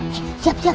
siap siap siap